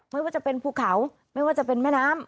ไม่ว่าจะเป็นภูเขาไม่ว่าจะเป็นแม่น้ำ